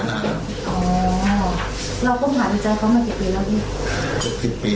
ในที่๑ปี